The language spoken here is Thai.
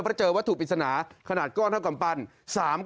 เพราะเจอวัตถุปริศนาขนาดก้อนเท่ากำปั้น